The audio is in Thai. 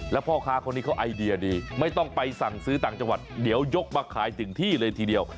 แล้วพ่อค้าคนนี้เขาไอเดียดีไม่ต้องไปสั่งซื้อต่างจังหวัดเดี๋ยวยกมาขายถึงที่เลยทีเดียว